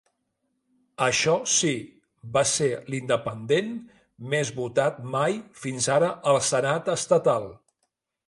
Això sí, va ser l'independent més votat mai fins ara al Senat estatal.